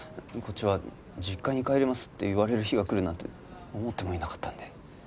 こっちは「実家に帰ります」って言われる日がくるなんて思ってもいなかったので。